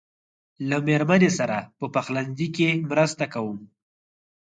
له مېرمنې سره په پخلنځي کې مرسته کوم.